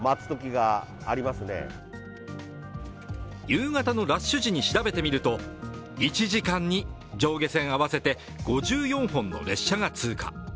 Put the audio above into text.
夕方のラッシュ時に調べてみると１時間に上下線合わせて５４本の列車が通過。